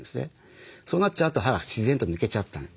そうなっちゃうと歯が自然と抜けちゃった。